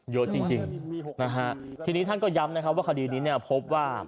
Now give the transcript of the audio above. เยอะจริงนะฮะทีนี้ท่านก็ย้ำนะครับว่าคดีนี้เนี่ยพบว่า